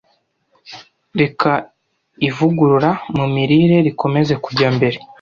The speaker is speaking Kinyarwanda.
Reka ivugurura mu mirire rikomeze kujya mbere